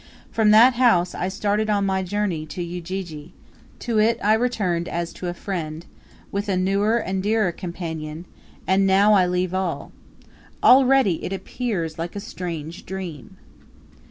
From that house I started on my journey to Ujiji; to it I returned as to a friend, with a newer and dearer companion; and now I leave all. Already it all appears like a strange dream.